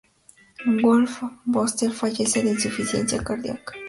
Wolf Vostell fallece de insuficiencia cardíaca.